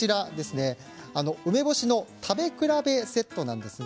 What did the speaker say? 梅干しの食べ比べセットです。